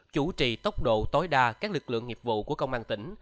chủ trì tốc độ tối đa các lực lượng nghiệp vụ của công an tỉnh